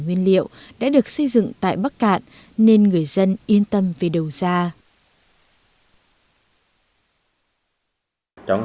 nguyên liệu đã được xây dựng tại bắc cạn nên người dân yên tâm về đầu ra